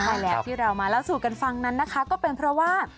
ใช่แล้วที่เรามาเล่าสู่กันฟังนั้นนะคะก็เป็นเพราะว่า